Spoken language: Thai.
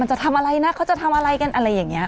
จะทำอะไรนะเขาจะทำอะไรกันอะไรอย่างนี้